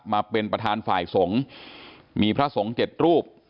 มาเป็นประธานฝ่ายสงฆ์มีพระสงฆ์เจ็ดรูป